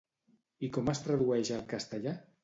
I com es tradueix al castellà?